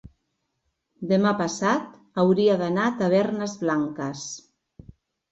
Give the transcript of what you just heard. Demà passat hauria d'anar a Tavernes Blanques.